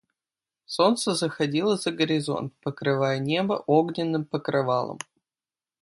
Солнце заходило за горизонт, покрывая небо огненным покрывалом.